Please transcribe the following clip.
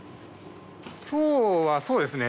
今日はそうですね